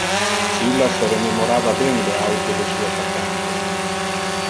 Illa se rememorava ben le auto de su attaccante.